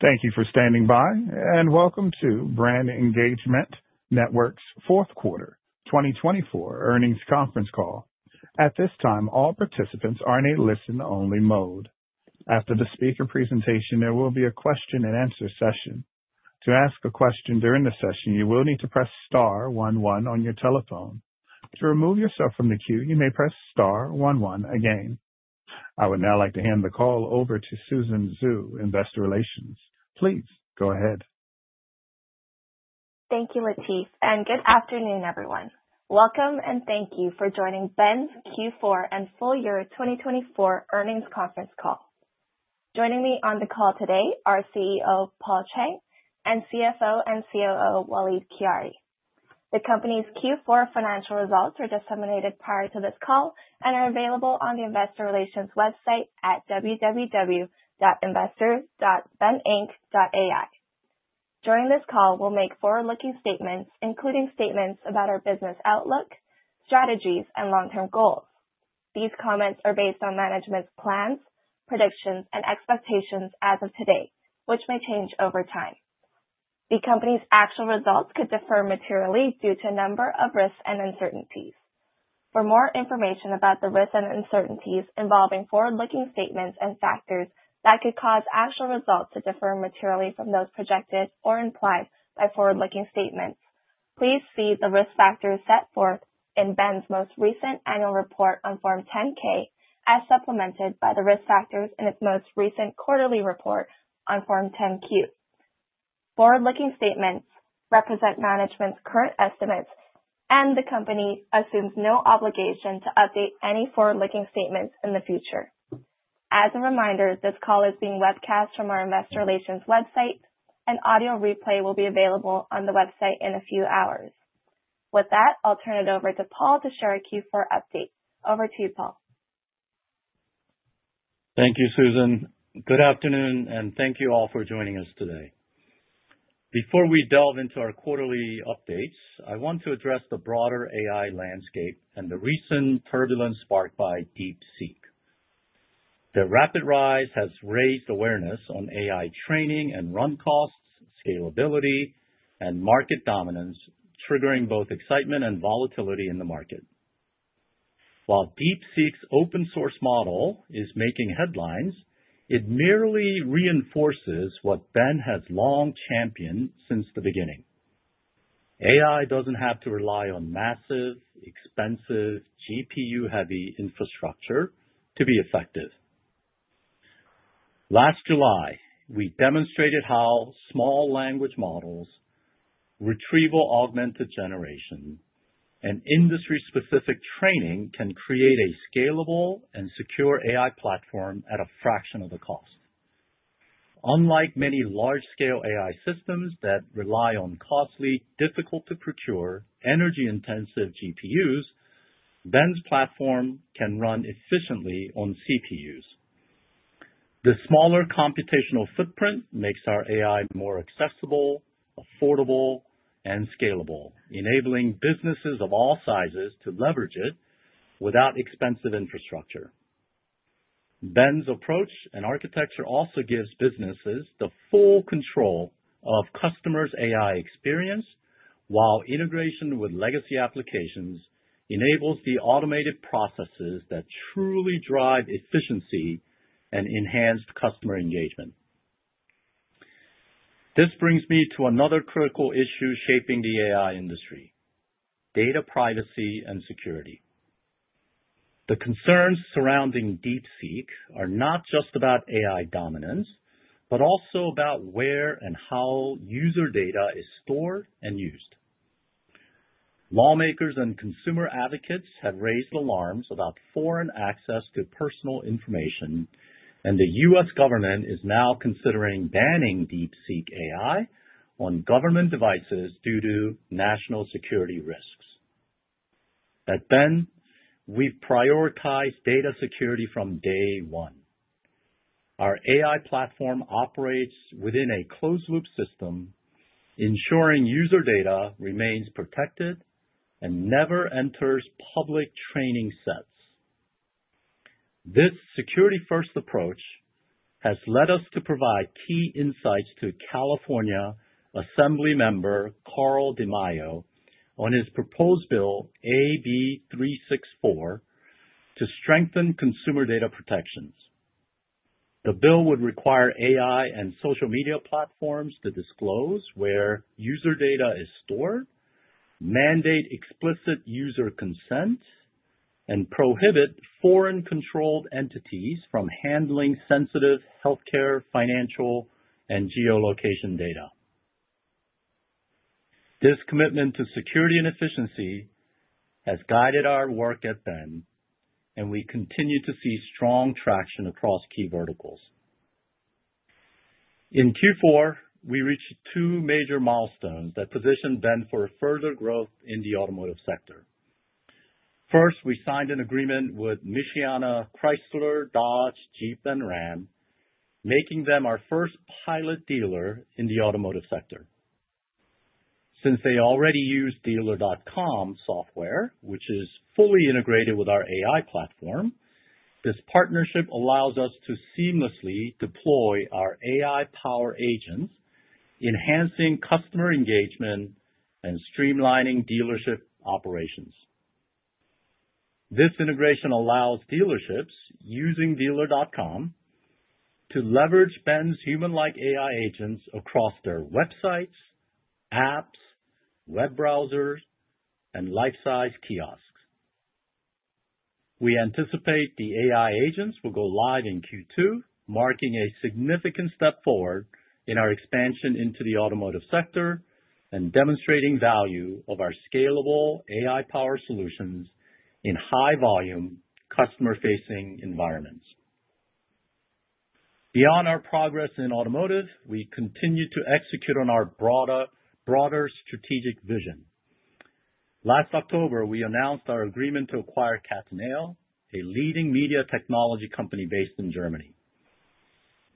Thank you for standing by, and welcome to Brand Engagement Network's Fourth Quarter 2024 Earnings Conference Call. At this time, all participants are in a listen-only mode. After the speaker presentation, there will be a question-and-answer session. To ask a question during the session, you will need to press star one one on your telephone. To remove yourself from the queue, you may press star one one again. I would now like to hand the call over to Susan Xu, Investor Relations. Please go ahead. Thank you, Latif, and good afternoon, everyone. Welcome, and thank you for joining Brand Engagement Network Q4 and Full Year 2024 Earnings Conference Call. Joining me on the call today are CEO Paul Chang and CFO and COO Walid Khiari. The company's Q4 financial results were disseminated prior to this call and are available on the Investor Relations website at www.investors.beninc.ai. During this call, we'll make forward-looking statements, including statements about our business outlook, strategies, and long-term goals. These comments are based on management's plans, predictions, and expectations as of today, which may change over time. The company's actual results could differ materially due to a number of risks and uncertainties. For more information about the risks and uncertainties involving forward-looking statements and factors that could cause actual results to differ materially from those projected or implied by forward-looking statements, please see the risk factors set forth in BEN's most recent annual report on Form 10-K, as supplemented by the risk factors in its most recent quarterly report on Form 10-Q. Forward-looking statements represent management's current estimates, and the company assumes no obligation to update any forward-looking statements in the future. As a reminder, this call is being webcast from our Investor Relations website, and audio replay will be available on the website in a few hours. With that, I'll turn it over to Paul to share a Q4 update. Over to you, Paul. Thank you, Susan. Good afternoon, and thank you all for joining us today. Before we delve into our quarterly updates, I want to address the broader AI landscape and the recent turbulence sparked by DeepSeek. The rapid rise has raised awareness on AI training and run costs, scalability, and market dominance, triggering both excitement and volatility in the market. While DeepSeek's open-source model is making headlines, it merely reinforces what BEN has long championed since the beginning. AI doesn't have to rely on massive, expensive, GPU-heavy infrastructure to be effective. Last July, we demonstrated how small language models, retrieval-augmented generation, and industry-specific training can create a scalable and secure AI platform at a fraction of the cost. Unlike many large-scale AI systems that rely on costly, difficult-to-procure, energy-intensive GPUs, BEN's platform can run efficiently on CPUs. The smaller computational footprint makes our AI more accessible, affordable, and scalable, enabling businesses of all sizes to leverage it without expensive infrastructure. BEN's approach and architecture also gives businesses the full control of customers' AI experience, while integration with legacy applications enables the automated processes that truly drive efficiency and enhanced customer engagement. This brings me to another critical issue shaping the AI industry: data privacy and security. The concerns surrounding DeepSeek are not just about AI dominance, but also about where and how user data is stored and used. Lawmakers and consumer advocates have raised alarms about foreign access to personal information, and the U.S. government is now considering banning DeepSeek AI on government devices due to national security risks. At BEN, we've prioritized data security from day one. Our AI platform operates within a closed-loop system, ensuring user data remains protected and never enters public training sets. This security-first approach has led us to provide key insights to California Assemblymember Carl DeMaio on his proposed bill AB364 to strengthen consumer data protections. The bill would require AI and social media platforms to disclose where user data is stored, mandate explicit user consent, and prohibit foreign-controlled entities from handling sensitive healthcare, financial, and geolocation data. This commitment to security and efficiency has guided our work at Brand Engagement Network, and we continue to see strong traction across key verticals. In Q4, we reached two major milestones that positioned Brand Engagement Network for further growth in the automotive sector. First, we signed an agreement with Michiana Chrysler Dodge Jeep Ram, making them our first pilot dealer in the automotive sector. Since they already use Dealer.com software, which is fully integrated with our AI platform, this partnership allows us to seamlessly deploy our AI-powered agents, enhancing customer engagement and streamlining dealership operations. This integration allows dealerships, using Dealer.com, to leverage BEN's human-like AI agents across their websites, apps, web browsers, and life-size kiosks. We anticipate the AI agents will go live in Q2, marking a significant step forward in our expansion into the automotive sector and demonstrating the value of our scalable AI-powered solutions in high-volume, customer-facing environments. Beyond our progress in automotive, we continue to execute on our broader strategic vision. Last October, we announced our agreement to acquire Cataneo, a leading media technology company based in Germany.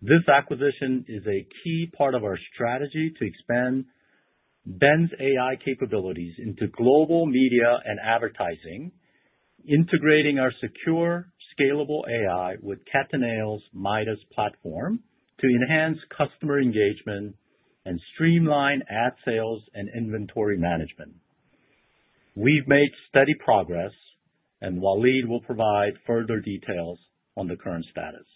This acquisition is a key part of our strategy to expand BEN's AI capabilities into global media and advertising, integrating our secure, scalable AI with Cataneo's MYDAS platform to enhance customer engagement and streamline ad sales and inventory management. We've made steady progress, and Walid will provide further details on the current status.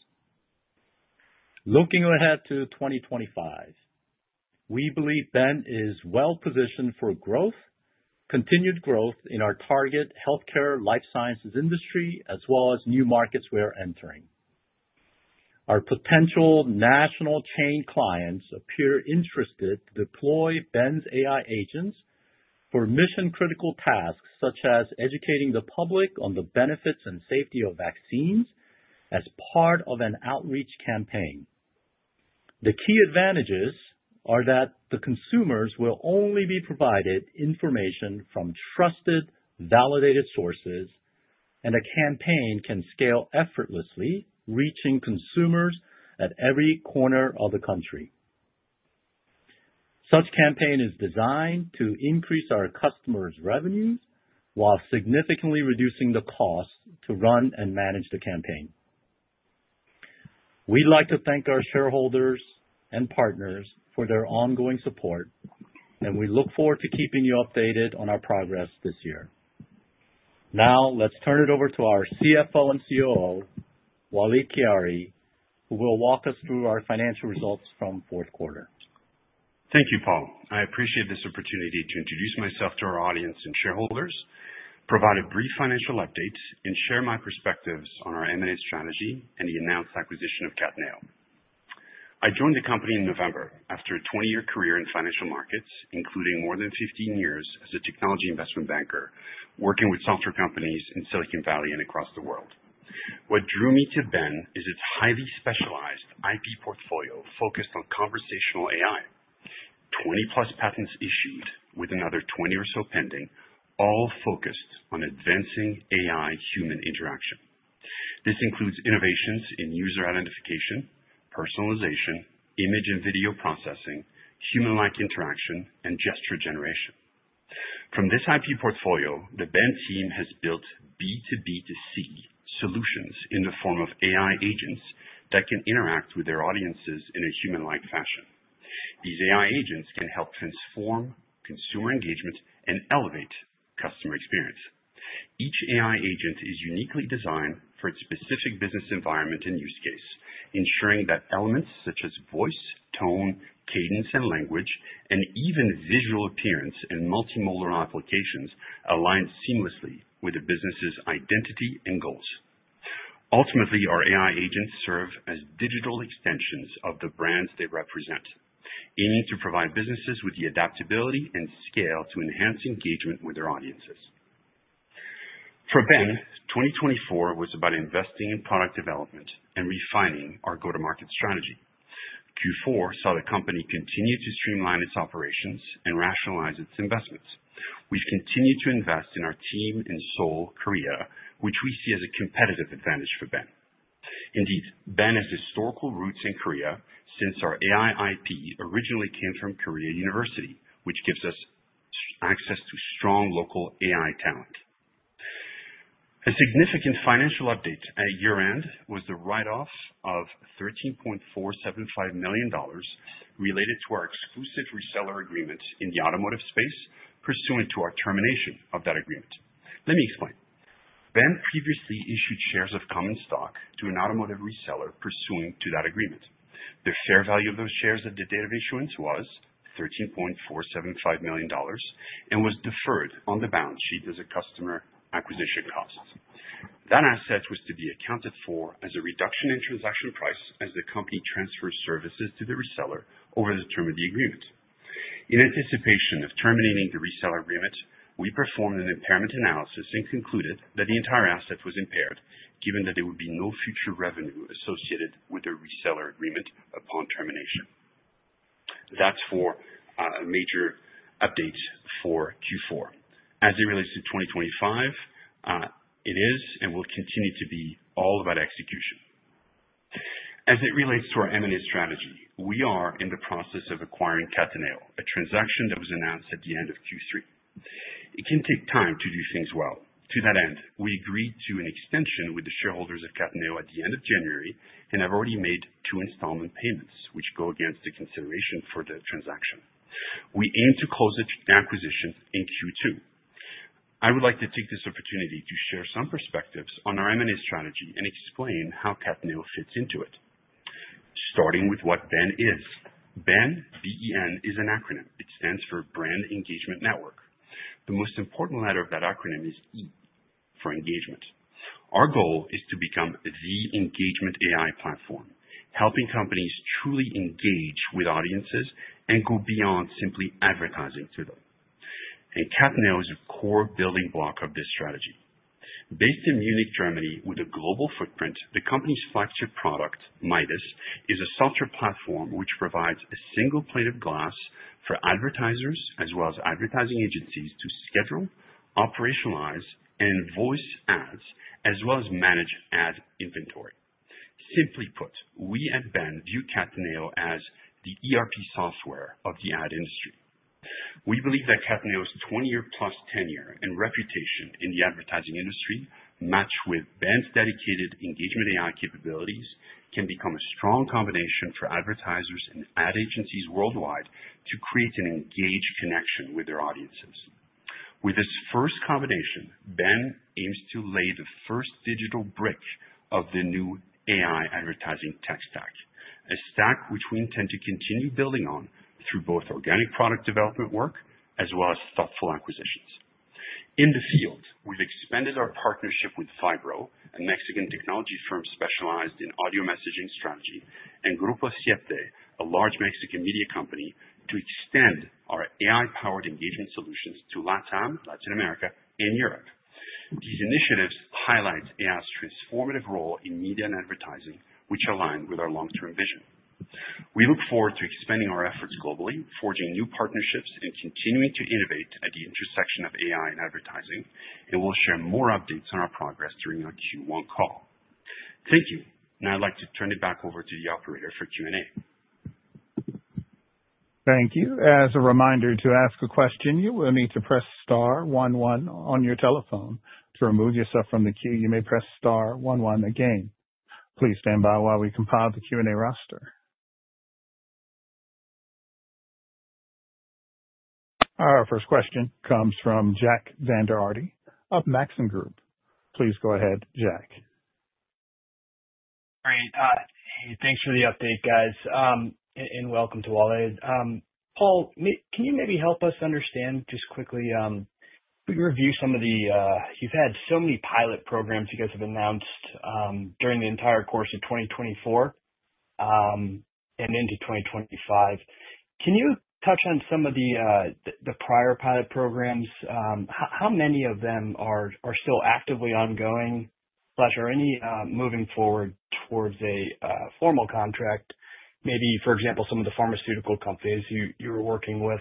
Looking ahead to 2025, we believe BEN is well-positioned for growth, continued growth in our target healthcare life sciences industry, as well as new markets we are entering. Our potential national chain clients appear interested to deploy BEN's AI Agents for mission-critical tasks, such as educating the public on the benefits and safety of vaccines as part of an outreach campaign. The key advantages are that the consumers will only be provided information from trusted, validated sources, and a campaign can scale effortlessly, reaching consumers at every corner of the country. Such a campaign is designed to increase our customers' revenues while significantly reducing the cost to run and manage the campaign. We'd like to thank our shareholders and partners for their ongoing support, and we look forward to keeping you updated on our progress this year. Now, let's turn it over to our CFO and COO, Walid Khiari, who will walk us through our financial results from fourth quarter. Thank you, Paul. I appreciate this opportunity to introduce myself to our audience and shareholders, provide a brief financial update, and share my perspectives on our M&A strategy and the announced acquisition of Cataneo. I joined the company in November after a 20-year career in financial markets, including more than 15 years as a technology investment banker working with software companies in Silicon Valley and across the world. What drew me to BEN is its highly specialized IP portfolio focused on conversational AI: 20-plus patents issued, with another 20 or so pending, all focused on advancing AI-human interaction. This includes innovations in user identification, personalization, image and video processing, human-like interaction, and gesture generation. From this IP portfolio, the BEN team has built B2B2C solutions in the form of AI agents that can interact with their audiences in a human-like fashion. These AI agents can help transform consumer engagement and elevate customer experience. Each AI agent is uniquely designed for its specific business environment and use case, ensuring that elements such as voice, tone, cadence, and language, and even visual appearance in multimodal applications align seamlessly with a business's identity and goals. Ultimately, our AI agents serve as digital extensions of the brands they represent, aiming to provide businesses with the adaptability and scale to enhance engagement with their audiences. For BEN, 2024 was about investing in product development and refining our go-to-market strategy. Q4 saw the company continue to streamline its operations and rationalize its investments. We've continued to invest in our team in Seoul, Korea, which we see as a competitive advantage for BEN. Indeed, BEN has historical roots in Korea since our AI IP originally came from Korea University, which gives us access to strong local AI talent. A significant financial update at year-end was the write-off of $13.475 million related to our exclusive reseller agreement in the automotive space, pursuant to our termination of that agreement. Let me explain. BEN previously issued shares of common stock to an automotive reseller pursuant to that agreement. The fair value of those shares at the date of issuance was $13.475 million and was deferred on the balance sheet as a customer acquisition cost. That asset was to be accounted for as a reduction in transaction price as the company transfers services to the reseller over the term of the agreement. In anticipation of terminating the reseller agreement, we performed an impairment analysis and concluded that the entire asset was impaired, given that there would be no future revenue associated with a reseller agreement upon termination. That's for major updates for Q4. As it relates to 2025, it is and will continue to be all about execution. As it relates to our M&A strategy, we are in the process of acquiring Cataneo, a transaction that was announced at the end of Q3. It can take time to do things well. To that end, we agreed to an extension with the shareholders of Cataneo at the end of January and have already made two installment payments, which go against the consideration for the transaction. We aim to close the acquisition in Q2. I would like to take this opportunity to share some perspectives on our M&A strategy and explain how Cataneo fits into it, starting with what BEN is. BEN, B-E-N, is an acronym. It stands for Brand Engagement Network. The most important letter of that acronym is E, for engagement. Our goal is to become the engagement AI platform, helping companies truly engage with audiences and go beyond simply advertising to them. Cataneo is a core building block of this strategy. Based in Munich, Germany, with a global footprint, the company's flagship product, MYDAS, is a software platform which provides a single pane of glass for advertisers as well as advertising agencies to schedule, operationalize, and voice ads, as well as manage ad inventory. Simply put, we at BEN view Cataneo as the ERP software of the ad industry. We believe that Cataneo's 20-year-plus tenure and reputation in the advertising industry matched with BEN's dedicated engagement AI capabilities can become a strong combination for advertisers and ad agencies worldwide to create an engaged connection with their audiences. With this first combination, BEN aims to lay the first digital bridge of the new AI advertising tech stack, a stack which we intend to continue building on through both organic product development work as well as thoughtful acquisitions. In the field, we have expanded our partnership with Vybroo, a Mexican technology firm specialized in audio messaging strategy, and Grupo Siete a large Mexican media company, to extend our AI-powered engagement solutions to LATAM, Latin America, and Europe. These initiatives highlight AI's transformative role in media and advertising, which align with our long-term vision. We look forward to expanding our efforts globally, forging new partnerships, and continuing to innovate at the intersection of AI and advertising, and we will share more updates on our progress during our Q1 call. Thank you, and I would like to turn it back over to the operator for Q&A. Thank you. As a reminder to ask a question, you will need to press star one one on your telephone. To remove yourself from the queue, you may press star one one again. Please stand by while we compile the Q&A roster. Our first question comes from Jack Vander Aarde of Maxim Group. Please go ahead, Jack. Great. Hey, thanks for the update, guys, and welcome to Walid. Paul, can you maybe help us understand just quickly? We reviewed some of the—you've had so many pilot programs you guys have announced during the entire course of 2024 and into 2025. Can you touch on some of the prior pilot programs? How many of them are still actively ongoing/are any moving forward towards a formal contract? Maybe, for example, some of the pharmaceutical companies you were working with.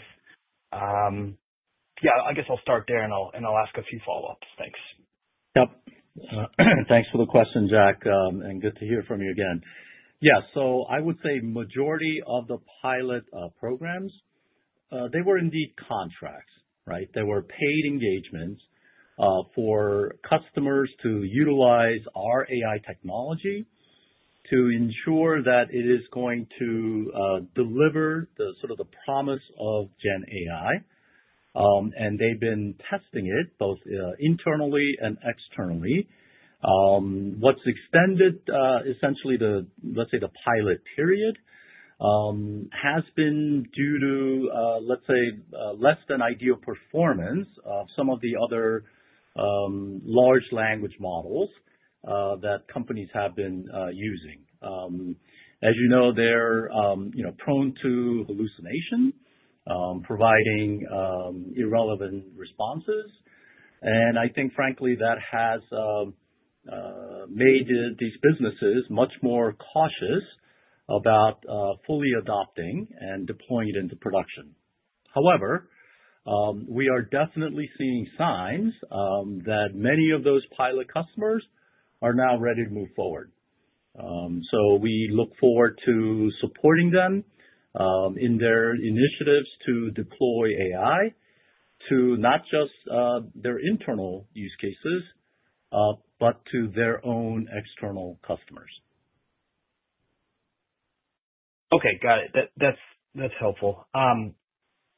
Yeah, I guess I'll start there, and I'll ask a few follow-ups. Thanks. Yep. Thanks for the question, Jack, and good to hear from you again. Yeah, I would say the majority of the pilot programs, they were indeed contracts, right? They were paid engagements for customers to utilize our AI technology to ensure that it is going to deliver the sort of the promise of GenAI, and they have been testing it both internally and externally. What has extended, essentially, the pilot period has been due to, let's say, less than ideal performance of some of the other large language models that companies have been using. As you know, they are prone to hallucination, providing irrelevant responses, and I think, frankly, that has made these businesses much more cautious about fully adopting and deploying it into production. However, we are definitely seeing signs that many of those pilot customers are now ready to move forward. We look forward to supporting them in their initiatives to deploy AI to not just their internal use cases, but to their own external customers. Okay, got it. That's helpful. I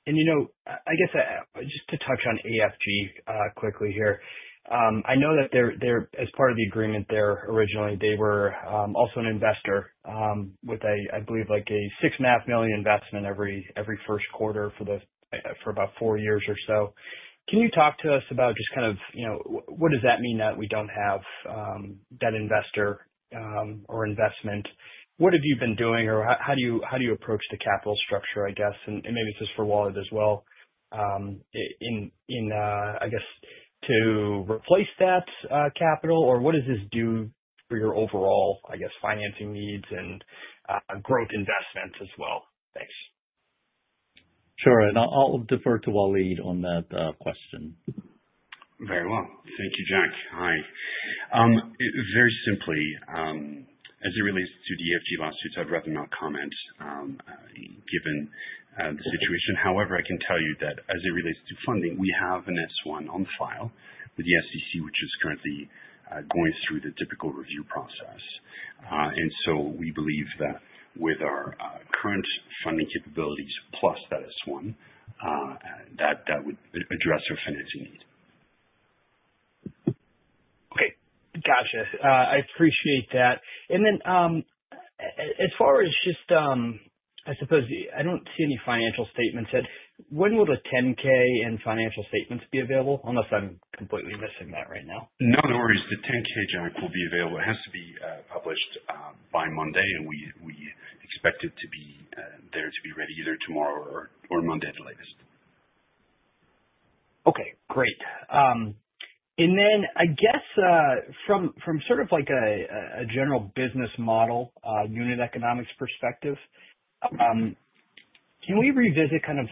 guess just to touch on AFG quickly here, I know that as part of the agreement there originally, they were also an investor with, I believe, like a $6.5 million investment every first quarter for about four years or so. Can you talk to us about just kind of what does that mean that we do not have that investor or investment? What have you been doing, or how do you approach the capital structure, I guess? Maybe this is for Walid as well, in, I guess, to replace that capital, or what does this do for your overall, I guess, financing needs and growth investments as well? Thanks. Sure. I'll defer to Walid on that question. Very well. Thank you, Jack. Hi. Very simply, as it relates to the AFG lawsuits, I'd rather not comment given the situation. However, I can tell you that as it relates to funding, we have an S-1 on file with the SEC, which is currently going through the typical review process. We believe that with our current funding capabilities plus that S-1, that would address our financing need. Okay. Gotcha. I appreciate that. As far as just, I suppose, I do not see any financial statements yet. When will the 10-K and financial statements be available? Unless I am completely missing that right now. No, no worries. The 10-K, Jack, will be available. It has to be published by Monday, and we expect it to be there to be ready either tomorrow or Monday at the latest. Okay. Great. I guess from sort of like a general business model, unit economics perspective, can we revisit kind of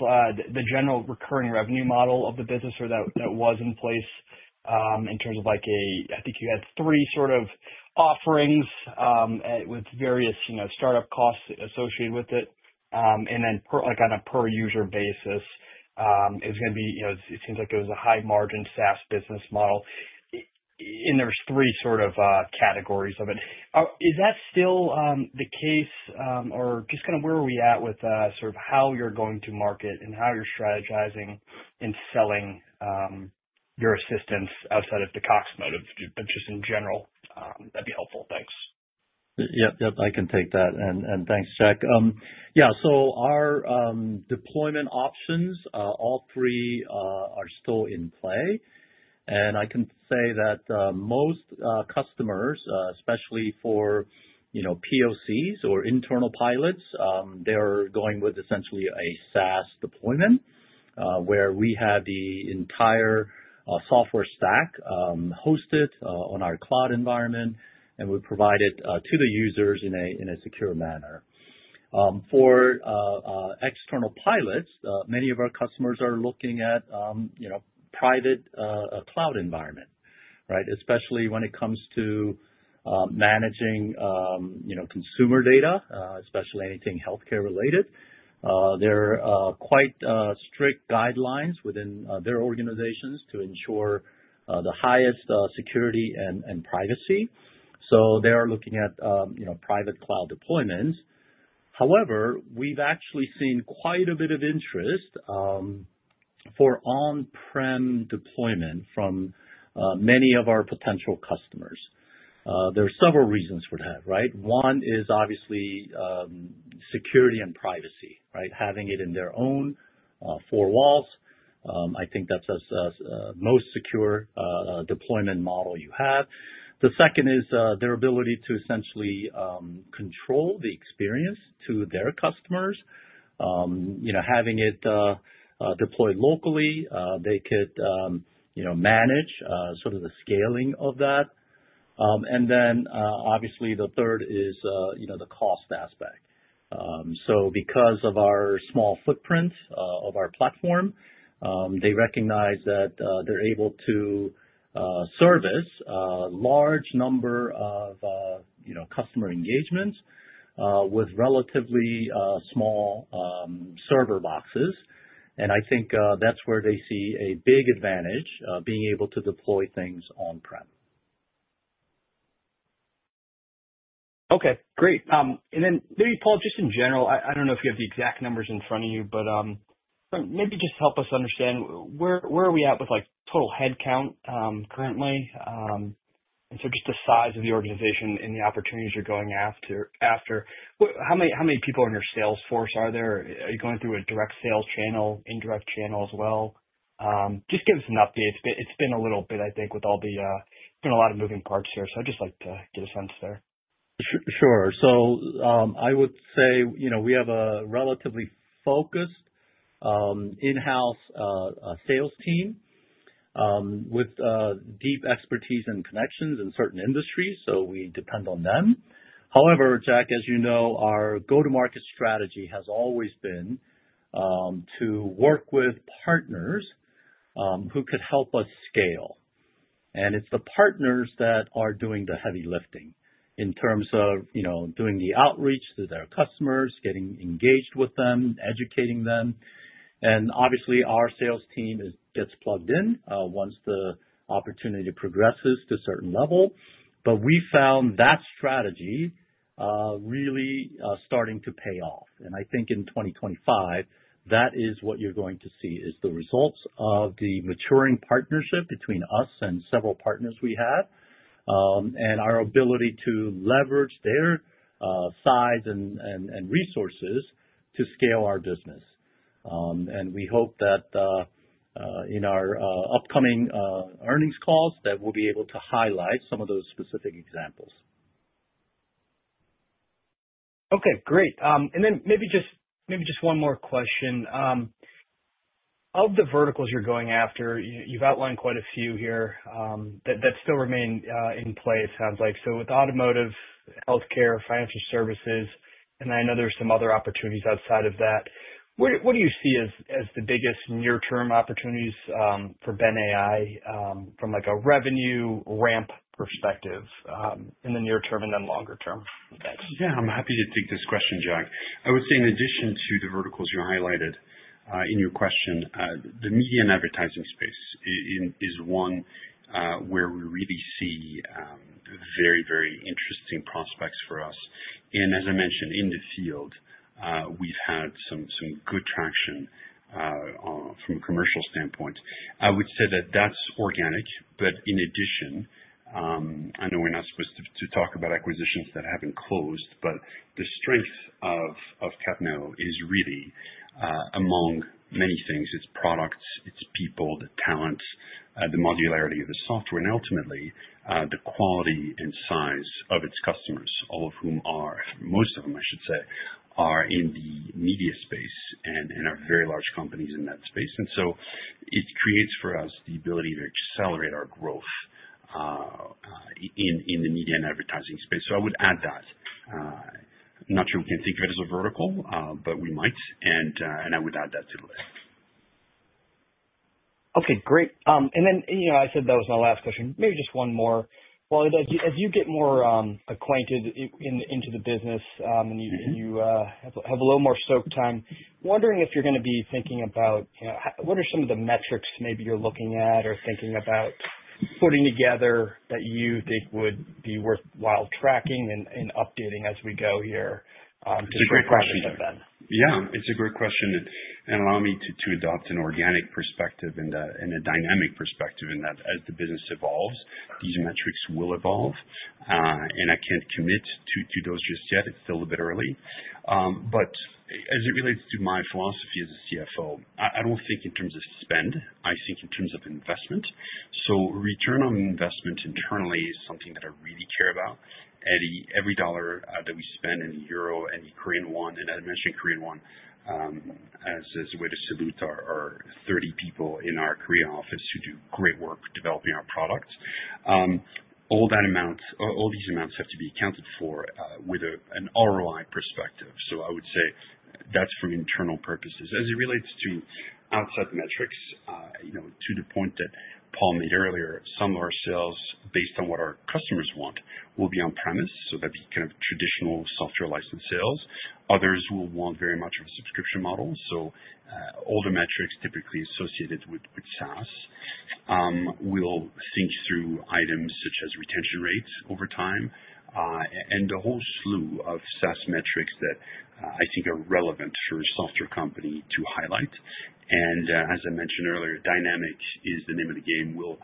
the general recurring revenue model of the business or that was in place in terms of like a—I think you had three sort of offerings with various startup costs associated with it, and then on a per-user basis is going to be—it seems like it was a high-margin SaaS business model. There are three sort of categories of it. Is that still the case, or just kind of where are we at with sort of how you're going to market and how you're strategizing in selling your assistants outside of the Cox moat of just in general? That'd be helpful. Thanks. Yep, yep. I can take that. Thanks, Jack. Yeah. Our deployment options, all three are still in play. I can say that most customers, especially for POCs or internal pilots, are going with essentially a SaaS deployment where we have the entire software stack hosted on our cloud environment, and we provide it to the users in a secure manner. For external pilots, many of our customers are looking at private cloud environment, right? Especially when it comes to managing consumer data, especially anything healthcare-related. There are quite strict guidelines within their organizations to ensure the highest security and privacy. They are looking at private cloud deployments. However, we've actually seen quite a bit of interest for on-prem deployment from many of our potential customers. There are several reasons for that, right? One is obviously security and privacy, right? Having it in their own four walls, I think that's the most secure deployment model you have. The second is their ability to essentially control the experience to their customers. Having it deployed locally, they could manage sort of the scaling of that. Obviously, the third is the cost aspect. Because of our small footprint of our platform, they recognize that they're able to service a large number of customer engagements with relatively small server boxes. I think that's where they see a big advantage of being able to deploy things on-prem. Okay. Great. Maybe, Paul, just in general, I do not know if you have the exact numbers in front of you, but maybe just help us understand where are we at with total headcount currently? Just the size of the organization and the opportunities you are going after. How many people in your sales force are there? Are you going through a direct sales channel, indirect channel as well? Just give us an update. It has been a little bit, I think, with all the—it has been a lot of moving parts here, so I would just like to get a sense there. Sure. I would say we have a relatively focused in-house sales team with deep expertise and connections in certain industries, so we depend on them. However, Jack, as you know, our go-to-market strategy has always been to work with partners who could help us scale. It is the partners that are doing the heavy lifting in terms of doing the outreach to their customers, getting engaged with them, educating them. Obviously, our sales team gets plugged in once the opportunity progresses to a certain level. We found that strategy really starting to pay off. I think in 2025, that is what you are going to see is the results of the maturing partnership between us and several partners we have and our ability to leverage their size and resources to scale our business. We hope that in our upcoming earnings calls, that we'll be able to highlight some of those specific examples. Okay. Great. Maybe just one more question. Of the verticals you're going after, you've outlined quite a few here that still remain in place, it sounds like. With automotive, healthcare, financial services, and I know there's some other opportunities outside of that. What do you see as the biggest near-term opportunities for Brand Engagement Network from a revenue ramp perspective in the near term and then longer term? Thanks. Yeah. I'm happy to take this question, Jack. I would say in addition to the verticals you highlighted in your question, the media and advertising space is one where we really see very, very interesting prospects for us. As I mentioned, in the field, we've had some good traction from a commercial standpoint. I would say that that's organic. In addition, I know we're not supposed to talk about acquisitions that haven't closed, but the strength of Cataneo is really, among many things, its products, its people, the talents, the modularity of the software, and ultimately the quality and size of its customers, all of whom are—most of them, I should say—are in the media space and are very large companies in that space. It creates for us the ability to accelerate our growth in the media and advertising space. I would add that. I'm not sure we can think of it as a vertical, but we might, and I would add that to the list. Okay. Great. I said that was my last question. Maybe just one more. While as you get more acquainted into the business and you have a little more soak time, wondering if you're going to be thinking about what are some of the metrics maybe you're looking at or thinking about putting together that you think would be worthwhile tracking and updating as we go here to support your business? That's a great question, Jack. Yeah. It's a great question. Allow me to adopt an organic perspective and a dynamic perspective in that as the business evolves, these metrics will evolve. I can't commit to those just yet. It's still a bit early. As it relates to my philosophy as a CFO, I don't think in terms of spend. I think in terms of investment. Return on investment internally is something that I really care about. Every dollar that we spend in the euro and the Korean won, and I mentioned Korean won as a way to salute our 30 people in our Korea office who do great work developing our products. All these amounts have to be accounted for with an ROI perspective. I would say that's for internal purposes. As it relates to outside metrics, to the point that Paul made earlier, some of our sales based on what our customers want will be on-premise. That'd be kind of traditional software license sales. Others will want very much of a subscription model. All the metrics typically associated with SaaS will think through items such as retention rates over time and a whole slew of SaaS metrics that I think are relevant for a software company to highlight. As I mentioned earlier, dynamic is the name of the game. We'll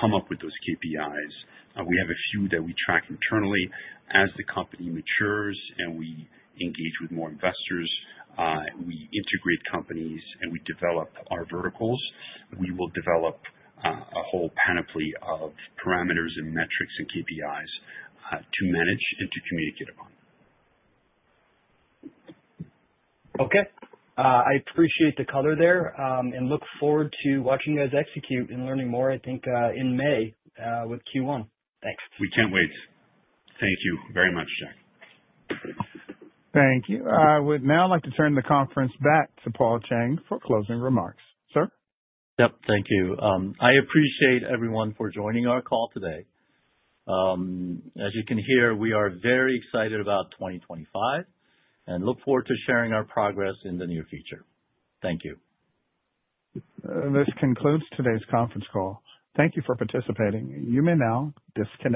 come up with those KPIs. We have a few that we track internally. As the company matures and we engage with more investors, we integrate companies and we develop our verticals, we will develop a whole panoply of parameters and metrics and KPIs to manage and to communicate upon. Okay. I appreciate the color there and look forward to watching you guys execute and learning more, I think, in May with Q1. Thanks. We can't wait. Thank you very much, Jack. Thank you. With that, I'd like to turn the conference back to Paul Chang for closing remarks. Sir? Yep. Thank you. I appreciate everyone for joining our call today. As you can hear, we are very excited about 2025 and look forward to sharing our progress in the near future. Thank you. This concludes today's conference call. Thank you for participating. You may now disconnect.